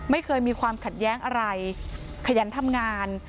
ไม่เคยมีความขัดแย้งอะไรขยันทำงาน